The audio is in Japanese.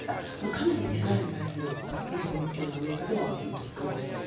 かなりイスラエルに対する入れ込みというのはアメリカでは大きいということです。